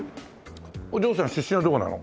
お嬢さん出身はどこなの？